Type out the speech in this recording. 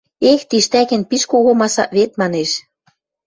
– Эх, тиштӓкен пиш кого масак вет, – манеш.